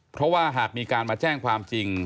เพราะว่าหากมีการมาแจ้งความจริง